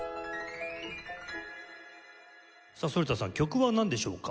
さあ反田さん曲はなんでしょうか？